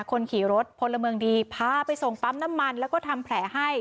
คนขี่รถพลเมืองดีพาไปส่งปั๊มน้ำมันแล้วก็ทำแผลให้